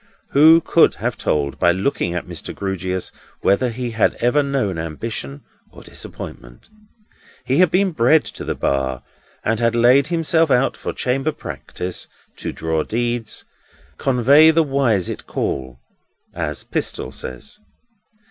Who could have told, by looking at Mr. Grewgious, whether he had ever known ambition or disappointment? He had been bred to the Bar, and had laid himself out for chamber practice; to draw deeds; "convey the wise it call," as Pistol says.